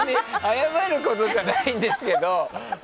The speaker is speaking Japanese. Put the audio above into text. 謝ることじゃないんですけど。